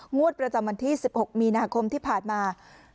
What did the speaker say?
งวดประจำวันที่๑๖มีนาคมที่ผ่านมา